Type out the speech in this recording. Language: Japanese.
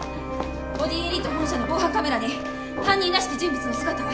ボディエリート本社の防犯カメラに犯人らしき人物の姿が。